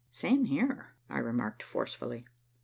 "Same here," I remarked forcefully.